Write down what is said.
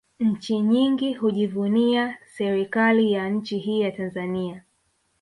Nchi nyingi hujivunia serikali ya nchi hii ya Tanzania